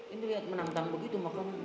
ini lihat menantang begitu